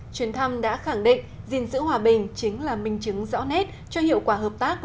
chuyến thăm đã khẳng định gìn giữ hòa bình chính là minh chứng rõ nét cho hiệu quả hợp tác